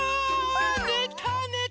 ねたねた！